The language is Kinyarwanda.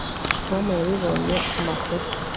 Tom yabibonye ku makuru